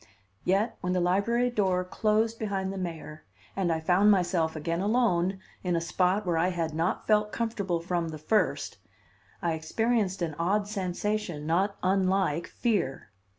Yet, when the library door closed behind the mayor and I found myself again alone in a spot where I had not felt comfortable from the first, I experienced an odd sensation not unlike fear.